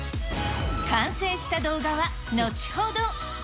完成した動画は後ほど。